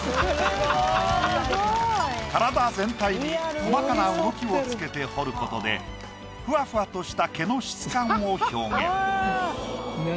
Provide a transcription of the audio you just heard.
体全体に細かな動きをつけて彫ることでふわふわとした毛の質感を表現。